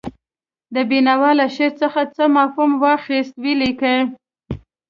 د بېنوا له شعر څخه څه مفهوم واخیست ولیکئ.